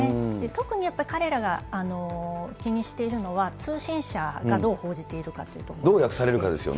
特にやっぱり彼らが気にしているのは、通信社がどう報じているかということでして。